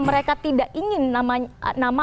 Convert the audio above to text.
mereka tidak ingin nama